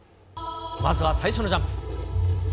まずは最初のジャンプ。